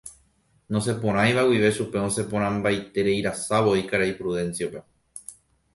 Nosẽporãiva guive chupe, osẽporãitereirasavoi karai Prudencio-pe.